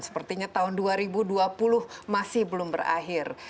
sepertinya tahun dua ribu dua puluh masih belum berakhir